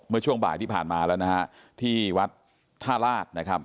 เมื่อช่วงบ่ายที่ผ่านมาแล้วนะฮะที่วัดท่าลาศนะครับ